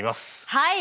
はい。